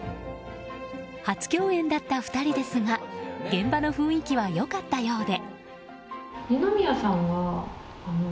初共演だった２人ですが現場の雰囲気は良かったようで。